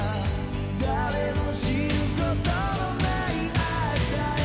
「誰も知ることのない明日へ」